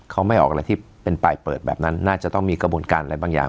เขาไม่ออกอะไรที่เป็นปลายเปิดแบบนั้นน่าจะต้องมีกระบวนการอะไรบางอย่าง